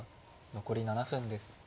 残り７分です。